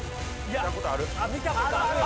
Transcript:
見たことあるよ。